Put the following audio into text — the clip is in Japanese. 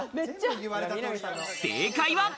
正解は。